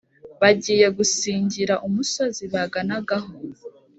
bagiye gusingira umusozi baganagaho,